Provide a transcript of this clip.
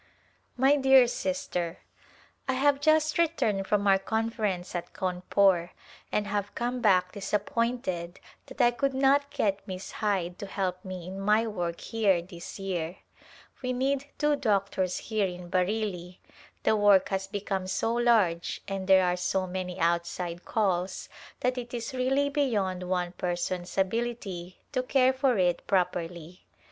My dear Sister : I have just returned from our Conference at Cawnpore, and have come back disappointed that I [ISO] Decennial Co7iference at Calcutta could not get Miss Hyde to help me in my work here this year. We need two doctors here in Bareilly ; the work has become so large and there are so many outside calls that it is really beyond one person's ability to care for it properly.